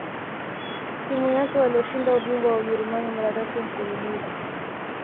timu yake waloshinda ubingwa wa Ujerumani mara tatu mfululizo